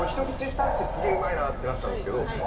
１口２口すげぇうまいなってなったんですけど。